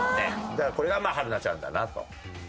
だからこれが春奈ちゃんだなと。